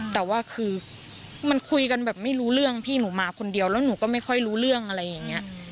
แต่ว่าคือมันคุยกันแบบไม่รู้เรื่องพี่หนูมาคนเดียวแล้วหนูก็ไม่ค่อยรู้เรื่องอะไรอย่างนี้